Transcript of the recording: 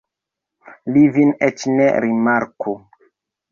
Li vin eĉ ne rimarku.